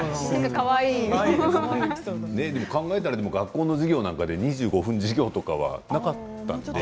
考えたら学校の授業なんかで２５分授業はなかったよね。